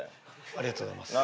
ありがとうございます。